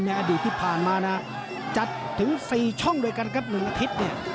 อดีตที่ผ่านมานะจัดถึง๔ช่องด้วยกันครับ๑อาทิตย์เนี่ย